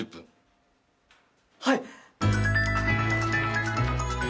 はい！